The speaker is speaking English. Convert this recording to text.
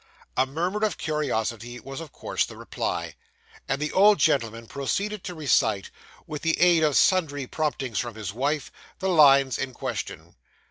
A murmur of curiosity was of course the reply; and the old gentleman proceeded to recite, with the aid of sundry promptings from his wife, the lines in question.